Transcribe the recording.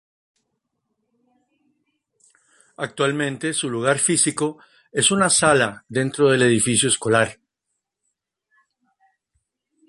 Actualmente su lugar físico es una sala dentro del edificio escolar.